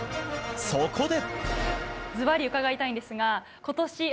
そこで。